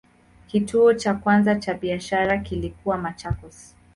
Kituo cha kwanza cha biashara kilikuwa Machakos.